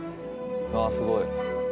わあすごい。